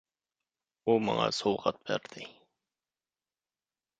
-ئۇ ماڭا سوۋغات بەردى!